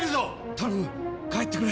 頼む帰ってくれ